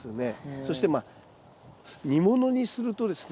そしてまあ煮物にするとですね